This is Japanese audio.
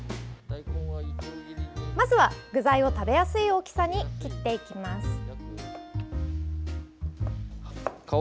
まずは具材を食べやすい大きさに切っていきます。